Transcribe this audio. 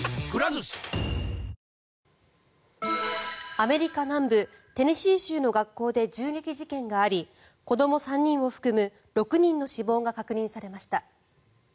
アメリカ南部テネシー州の学校で銃撃事件があり子ども３人を含む６人の死亡が確認されました。